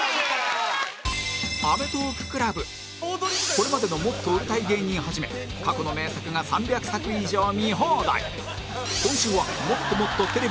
これまでのもっと売れたい芸人はじめ過去の名作が３００作以上見放題